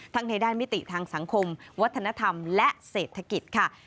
ในด้านมิติทางสังคมวัฒนธรรมและเศรษฐกิจค่ะ